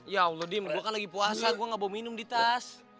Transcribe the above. ya allah kan lagi puasa gue gak mau minum di tas